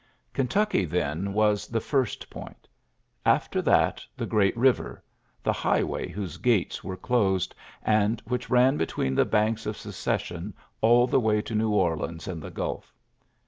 Kentucky, then, was the ft point ; after that, the great river, t highway whose gates were closed, a which ran between the banks of Seo sion all the way to Kew Orleans and t Gulf.